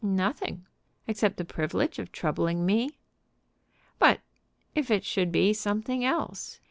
"Nothing, except the privilege of troubling me." "But if it should be something else?